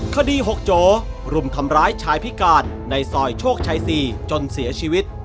คดี๖โจรุมทำร้ายชายพิการในซอยโชคชัย๔จนเสียชีวิต